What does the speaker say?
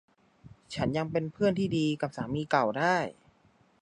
ฉันยังเป็นเพื่อนที่ดีกับสามีเก่าได้